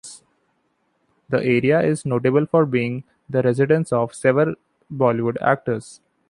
The area is notable for being the residence of several Bollywood actors.